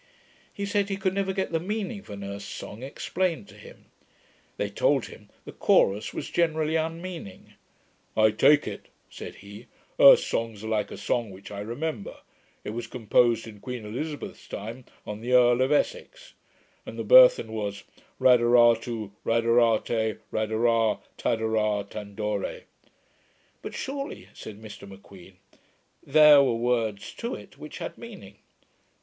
He said, he could never get the meaning of an Erse song explained to him. They told him, the chorus was generally unmeaning. 'I take it,' said he, 'Erse songs are like a song which I remember: it was composed in Queen Elizabeth's time, on the Earl of Essex; and the burthen was "Radaratoo, radarate, radara tadara tandore."' 'But surely,' said Mr M'Queen, 'there were words to it, which had meaning.'